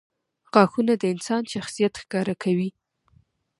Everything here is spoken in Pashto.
• غاښونه د انسان شخصیت ښکاره کوي.